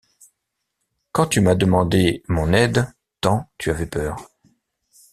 Quand tu m’as demandé mon aide tant tu avais peur.